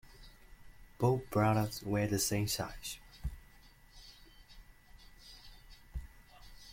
Both brothers wear the same size.